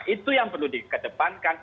itu yang perlu dikedepankan